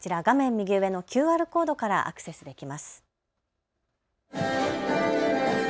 右上のＱＲコードからアクセスできます。